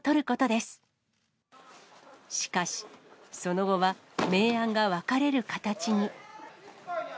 しかし、その後は明暗が分かれる形に。